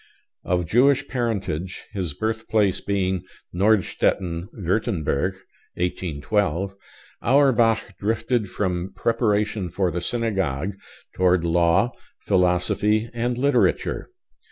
Of Jewish parentage, his birthplace being Nordstetten, Würtemberg (1812), Auerbach drifted from preparation for the synagogue toward law, philosophy, and literature.